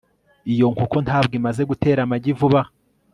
iyo nkoko ntabwo imaze gutera amagi vuba aha